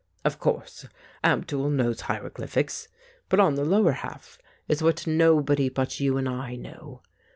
"Of course. Abdul knows hieroglyphics. But on the lower half is what nobody but you and I know.